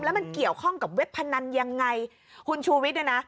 แล้วมันเกี่ยวข้องกับเว็บพนันยังไงคุณชูวิทย์เนี่ยนะ